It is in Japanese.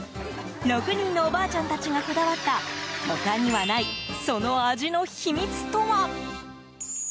６人のおばあちゃんたちがこだわった他にはない、その味の秘密とは？